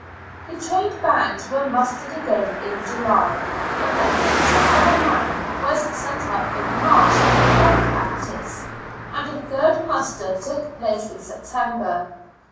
The trained bands were mustered again in July, when a " picture of a man " was set up in the Marsh for gun practice, and a third muster took place in Septem ber.